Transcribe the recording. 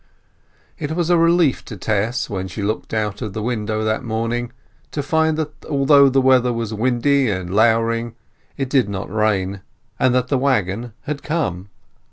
It was a relief to Tess, when she looked out of the window that morning, to find that though the weather was windy and louring, it did not rain, and that the waggon had come.